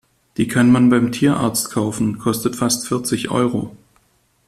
Die kann man beim Tierarzt kaufen, kostet fast vierzig Euro.